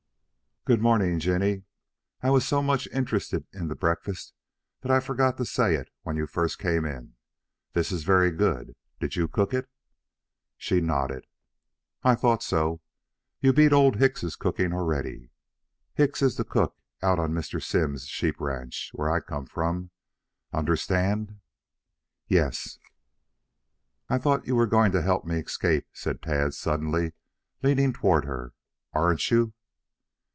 "Good morning, Jinny. I was so much interested in the breakfast that I forgot to say it when you first came in. This is very good. Did you cook it?" She nodded. "I thought so. You beat Old Hicks's cooking already. Hicks is the cook out on Mr. Simms's sheep ranch, where I come from. Understand?" "Yes." "I thought you were going to help me to escape," said Tad, suddenly leaning toward her. "Aren't you?"